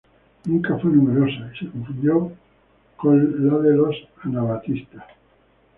Nunca fue numerosa y se confundió con la de los anabaptistas.